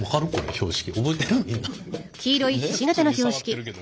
標識。